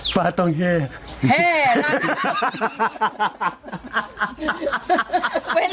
ป้าต้องเฮพ่อน